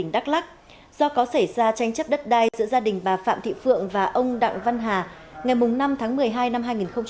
đắk lắc do có xảy ra tranh chấp đất đai giữa gia đình bà phạm thị phượng và ông đặng văn hà ngày năm tháng một mươi hai năm hai nghìn một mươi chín